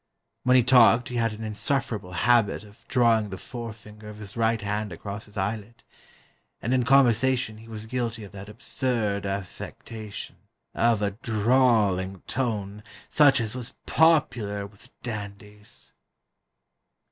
When he talked he had an insufferable habit of drawing the fore finger of his right hand across his eyelid, and in conversation he was guilty of the absurd affectation of a drawling tone such as was popular with dandies."